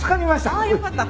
ああよかった。